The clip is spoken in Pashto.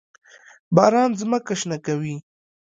باران ځمکه شنه کوي.